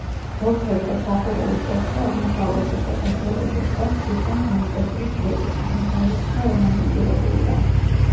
ორფერდა სახურავის კეხზე აღმოსავლეთით და დასავლეთით დგას ქვისგან გამოკვეთილი ჯვრები, აღმოსავლეთისა ორნამენტირებულია.